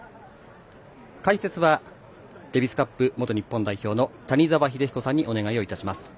解説はデビスカップ元日本代表の谷澤英彦さんにお願いいたします。